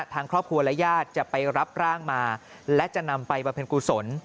ทางครอบครัวและญาติจะไปรับร่างมาและจะนำไปบำเพ็ญกุศล